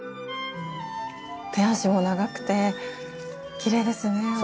手足も長くてきれいですね踊りが。